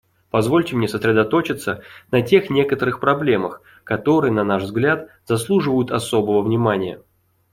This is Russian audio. Позвольте мне сосредоточиться на тех некоторых проблемах, которые, на наш взгляд, заслуживают особого внимания.